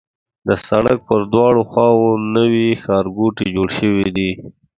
د سړک پر دواړو خواوو نوي ښارګوټي جوړ شوي دي.